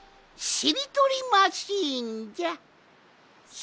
しりとりマシーン？